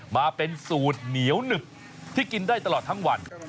มาเป็นสูตรเหนียวหนึบที่กินได้ตลอดทั้งวัน